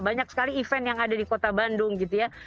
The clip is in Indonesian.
banyak sekali event yang ada di kota bandung gitu ya